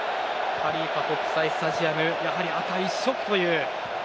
ハリーファ国際スタジアムやはり赤一色という。